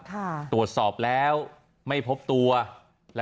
ขอบคุณครับ